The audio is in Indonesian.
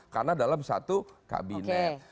karena dalam satu kabinet